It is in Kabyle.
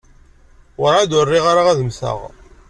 Werɛad ur riɣ ara ad mmteɣ.